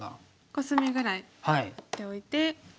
コスミぐらい打っておいて。